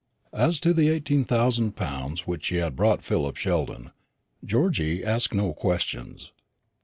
As to the eighteen thousand pounds which she had brought Philip Sheldon, Georgy asked no questions.